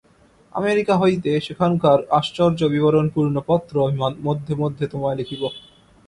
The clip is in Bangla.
আমেরিকা হইতে সেখানকার আশ্চর্যবিবরণপূর্ণ পত্র আমি মধ্যে মধ্যে তোমায় লিখিব।